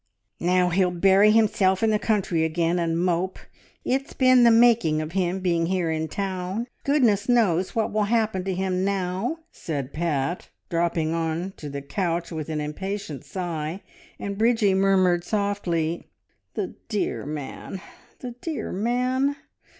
"Now he'll bury himself in the country again and mope! It's been the making of him being here in town. Goodness knows what will happen to him now!" said Pat, dropping on to the couch with an impatient sigh, and Bridgie murmured softly "The dear, man! The dear man!